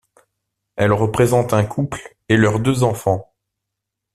Elle représente un couple et leurs deux enfants.